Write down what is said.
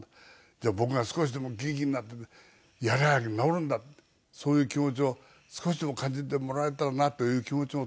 じゃあ僕が少しでも元気になってねやりゃあ治るんだってそういう気持ちを少しでも感じてもらえたらなという気持ちもあったんですよね。